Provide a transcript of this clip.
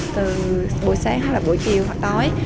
từ buổi sáng hoặc là buổi chiều hoặc tối